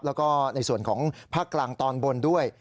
แล้วก็ในส่วนของภาคกลางตอนบนด้วย